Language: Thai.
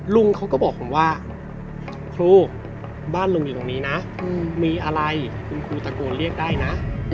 ลุงเขาก็บอกผมว่าครูบ้านลุงอยู่ตรงนี้นะมีอะไรคุณครูตะโกนเรียกได้นะ